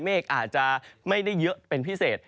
อาจจะไม่ได้เยอะเป็นพิเศษ